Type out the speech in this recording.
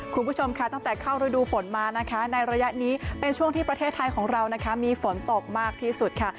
คุณผู้ชมค่ะตั้งแต่เข้าฤดูฝนมานะคะในระยะนี้เป็นช่วงที่ประเทศไทยของเรานะคะมีฝนตกมากที่สุดค่ะ